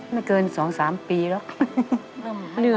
ไม่เกินสองสามปีแล้ว